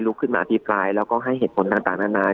ขึ้นมาอภิปรายแล้วก็ให้เหตุผลต่างนานา